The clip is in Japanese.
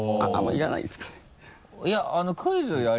いらないですはい。